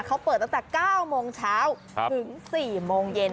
เขาเปิดตั้งแต่๙โมงเช้าถึง๔โมงเย็น